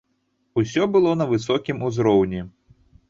Усё было на высокім узроўні.